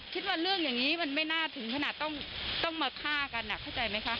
คิดว่าเรื่องอย่างนี้มันไม่น่าถึงขนาดต้องมาฆ่ากันเข้าใจไหมคะ